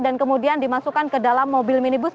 dan kemudian dimasukkan ke dalam mobil minibus